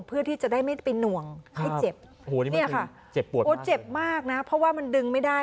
เพื่อที่จะได้ไม่ไปหน่วงให้เจ็บโอ้เจ็บมากนะเพราะว่ามันดึงไม่ได้